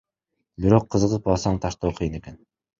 Бирок кызыгып алсаң таштоо кыйын экен.